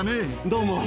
どうも。